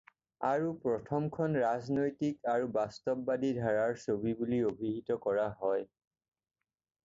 আৰু প্ৰথমখন ৰাজনৈতিক আৰু বাস্তৱবাদী ধাৰাৰ ছবি বুলি অভিহিত কৰা হয়।